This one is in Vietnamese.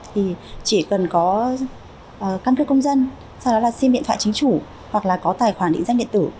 thì chỉ cần có căn cứ công dân sau đó là xin biện thoại chính chủ hoặc là có tài khoản định dạng điện tử